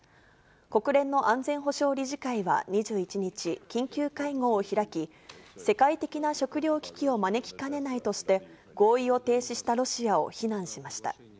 国連の安全保障理事会は２１日、緊急会合を開き、世界的な食糧危機を招きかねないとして、合意を停止したロシアを非難しました。